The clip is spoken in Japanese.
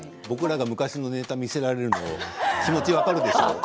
僕らの昔のネタを見せられる気持ち分かるでしょ？